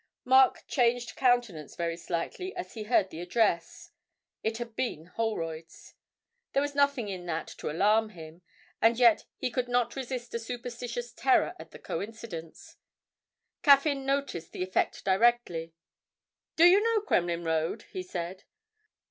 Mark changed countenance very slightly as he heard the address it had been Holroyd's. There was nothing in that to alarm him, and yet he could not resist a superstitious terror at the coincidence. Caffyn noticed the effect directly. 'Do you know Kremlin Road?' he said.